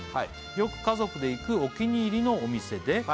「よく家族で行くお気に入りのお店で」